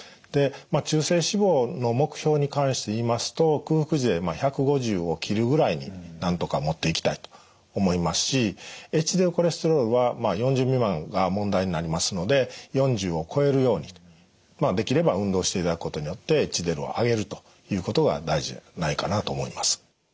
で中性脂肪の目標に関して言いますと空腹時で１５０を切るぐらいになんとかもっていきたいと思いますしＨＤＬコレステロールはまあ４０未満が問題になりますので４０を超えるようにできれば運動していただくことによってＨＤＬを上げるということが大事じゃないかなと思います。